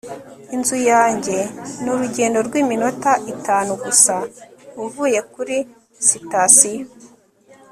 inzu yanjye ni urugendo rw'iminota itanu gusa uvuye kuri sitasiyo